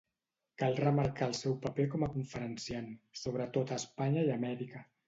Cal remarcar el seu paper com a conferenciant, sobretot a Espanya i Amèrica.